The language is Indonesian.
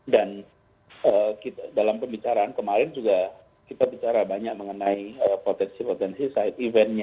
dan dalam pembicaraan kemarin juga kita bicara banyak mengenai potensi potensi side eventnya